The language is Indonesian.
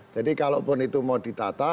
jadi kalau pun itu mau ditata